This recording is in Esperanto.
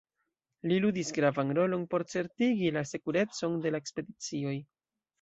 Li ludis gravan rolon por certigi la sekurecon de la ekspedicioj.